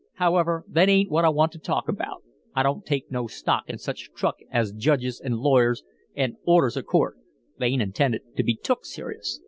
However, that ain't what I want to talk about. I don't take no stock in such truck as judges an' lawyers an' orders of court. They ain't intended to be took serious.